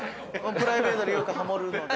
プライベートでよくハモるので。